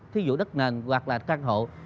thí dụ đất nền hoặc là căn hộ